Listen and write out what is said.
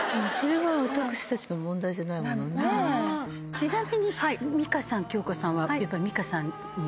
ちなみに美香さん恭子さんはやっぱり。